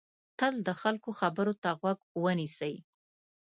تل د خلکو خبرو ته غوږ ونیسئ.